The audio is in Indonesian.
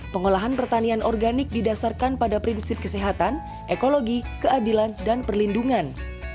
pengolahan pertanian organik didasarkan pada prinsip kesehatan ekologi keadilan dan perlindungan